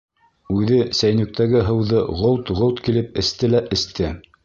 Үҙе сәйнүктәге һыуҙы ғолт-ғолт килеп эсте лә эсте.